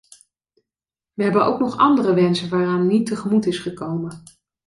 We hebben ook nog andere wensen waaraan niet tegemoet is gekomen.